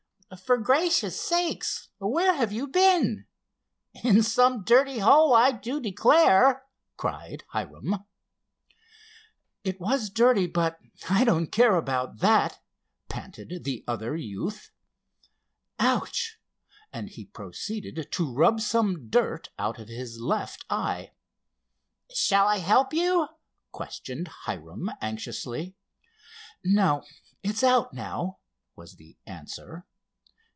"For gracious sake, where have you been? In some dirty hole, I do declare!" cried Hiram. "It was dirty, but I don't care about that," panted the other youth. "Ouch!" and he proceeded to rub some dirt out of his left eye. "Shall I help you?" questioned Hiram, anxiously. "No, it's out now," was the answer.